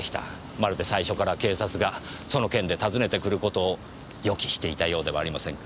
まるで最初から警察がその件で訪ねてくる事を予期していたようではありませんか？